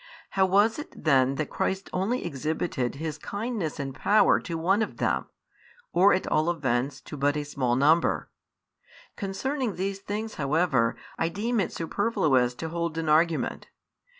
How was it then that Christ only exhibited His kindness and power to one of them, or at all events to but a small number? Concerning these things, however, I deem it superfluous to hold an argument.